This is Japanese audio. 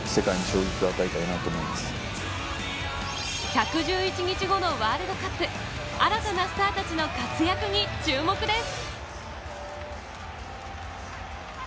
１１１日後のワールドカップ、新たなスターたちの活躍に注目です。